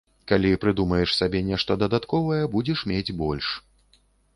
Калі прыдумаеш сабе нешта дадатковае, будзеш мець больш.